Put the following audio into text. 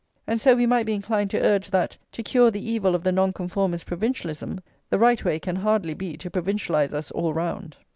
And so we might be inclined to urge that, to cure the evil of the Nonconformists' provincialism, the right way can hardly be to provincialise us all round.